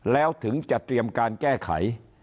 แล้วถึงจะเตรียมการแก้ไข